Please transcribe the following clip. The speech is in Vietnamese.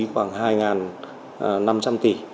khoảng hai năm trăm linh tỷ